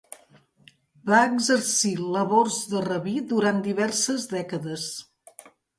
Va exercir labors de rabí durant diverses dècades.